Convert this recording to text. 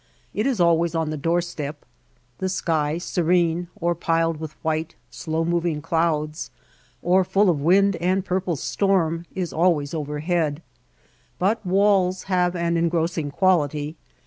It is always on the doorstep. The sky, serene, or piled with white, slow moving clouds, or full of wind and purple storm, is always overhead. But walls have an engrossing quality.